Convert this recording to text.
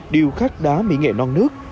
điều khắc đá mỹ nghệ non nước